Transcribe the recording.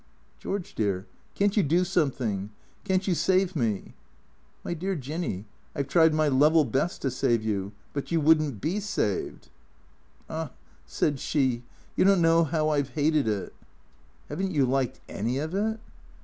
" George dear, can't you do something ? Can't you save me ?"" My dear Jinny, I 've tried my level best to save you. But you would n't he saved." " Ah," said she, " you don't know how I 've hated it." " Have n't you liked any of it."